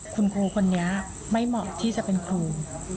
คุณครูคนนี้ไม่เหมาะที่จะเป็นครู